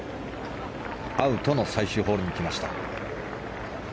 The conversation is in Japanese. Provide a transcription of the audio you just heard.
アウトの最終ホールに来ました。